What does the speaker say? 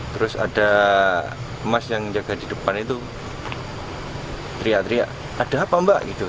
terus ada emas yang jaga di depan itu teriak teriak ada apa mbak gitu